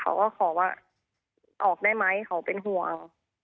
เขาก็ขอว่าออกได้ไหมเขาเป็นห่วง